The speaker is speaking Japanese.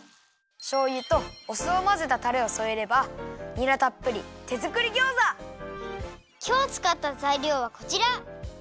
しょうゆとお酢をまぜたタレをそえればにらたっぷりきょうつかったざいりょうはこちら！